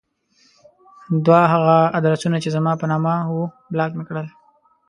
دوه هغه ادرسونه چې زما په نامه وو بلاک مې کړل.